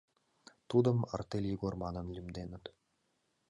Тудым «Артель Егор» манын лӱмденыт.